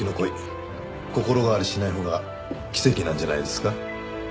心変わりしないほうが奇跡なんじゃないですか？